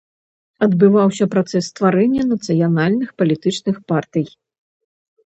Адбываўся працэс стварэння нацыянальных палітычных партый.